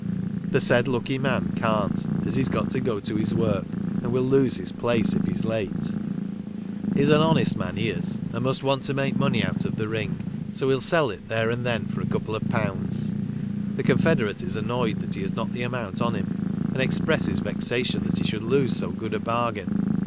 The said lucky man can't, as he's got to go to his work, and will lose his place if he's late. " He's an honest man he is, and must want to make money out of the ring, so he'll sell it there and then for a couple of pounds." The con federate is annoyed that he has not the amount on him, and expresses vexation that he should lose so good a bargain.